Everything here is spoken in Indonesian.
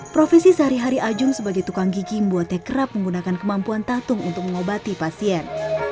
profesi sehari hari ajung sebagai tukang gigi membuatnya kerap menggunakan kemampuan tatung untuk mengobati pasien